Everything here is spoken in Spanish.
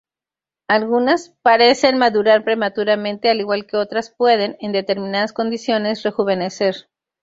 Algunas, parecen madurar prematuramente, al igual que otras pueden, en determinadas condiciones, rejuvenecer.